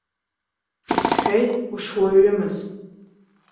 Исҳәеит ушуаҩымыз.